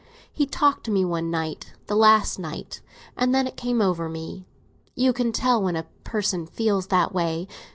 He talked to me one night—the last night; and then it came over me. You can tell when a person feels that way.